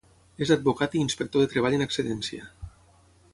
És advocat i inspector de treball en excedència.